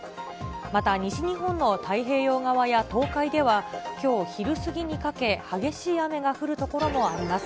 また西日本の太平洋側や東海では、きょう昼過ぎにかけ、激しい雨が降る所もあります。